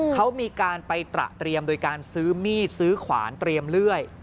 เขามีการไปตระเตรียมโดยการซื้อมีดซื้อขวานเตรียมเลื่อย